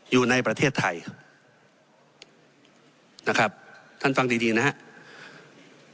อยู่ในประเทศไทยท่านฟังดีนะครับ